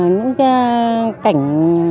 những cái cảnh